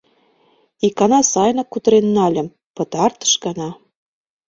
Икана сайынак кутырен нальым, пытартыш гана.